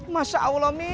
masya allah mi